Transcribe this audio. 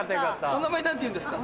お名前何ていうんですか？